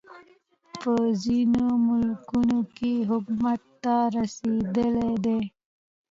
په ځینو ملکونو کې حکومت ته رسېدلی دی.